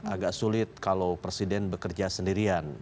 agak sulit kalau presiden bekerja sendirian